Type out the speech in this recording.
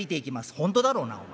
「本当だろうなお前。